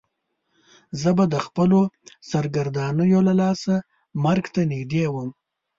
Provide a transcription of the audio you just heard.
زه به د خپلو سرګردانیو له لاسه مرګ ته نږدې وم.